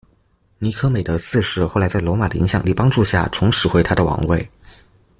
尼科美德四世后来在罗马的影响力帮助下重拾回他的王位。